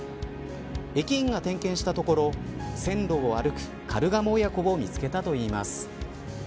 駅員が点検したところ線路を歩くカルガモ親子を見つけたといます。